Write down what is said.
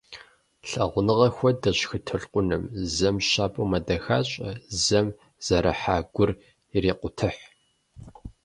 Лъагъуныгъэр хуэдэщ хы толъкъуным, зэм щабэу мэдэхащӏэ, зэм зэрыхьа гур ирекъутыхь.